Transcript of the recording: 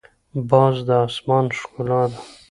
باز د اسمان ښکلا ده